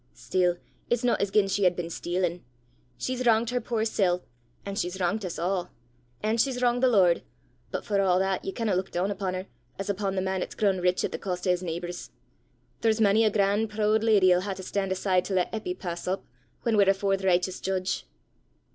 Still, it's no as gien she had been stealin'! She's wrangt her puir sel', an' she's wrangt us a', an' she's wrangt the Lord; but for a' that ye canna luik doon upo' her as upo' the man 'at's grown rich at the cost o' his neebours. There's mony a gran' prood leddy 'ill hae to stan' aside to lat Eppy pass up, whan we're afore the richteous judge."